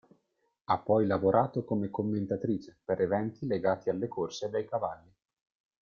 Ha poi lavorato come commentatrice per eventi legati alle corse dei cavalli.